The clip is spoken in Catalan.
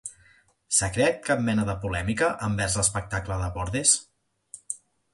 S'ha creat cap mena de polèmica envers l'espectacle de Bordes?